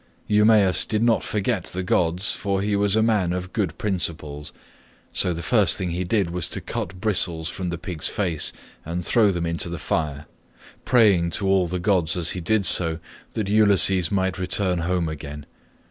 Eumaeus did not forget the gods, for he was a man of good principles, so the first thing he did was to cut bristles from the pig's face and throw them into the fire, praying to all the gods as he did so that Ulysses might return home again.